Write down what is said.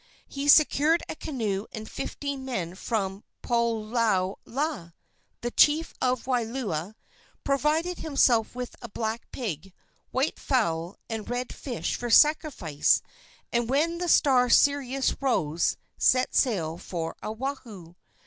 He secured a canoe and fifteen men from Poloula, the chief of Wailua, provided himself with a black pig, white fowl and red fish for sacrifice, and, when the star Sirius rose, set sail for Oahu.